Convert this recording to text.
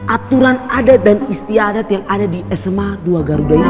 aturan adat dan istiadat yang ada di sma dua garuda ini